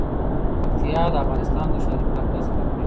پکتیا د افغانستان د ښاري پراختیا سبب کېږي.